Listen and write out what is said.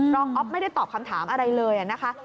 อ๊อฟไม่ได้ตอบคำถามอะไรเลยนะคะ